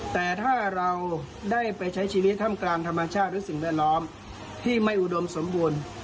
แต่ถ้าเราได้ไปใช้ชีวิตถ้ำกลางธรรมชาติหรือสิ่งแวดล้อมที่ไม่อุดมสมบูรณ์